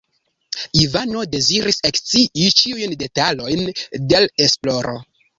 Ivano deziris ekscii ĉiujn detalojn de l' esploro.